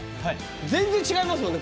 全然違いますもんね